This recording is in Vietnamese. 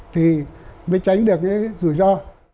thì mới tránh được cái rủi ro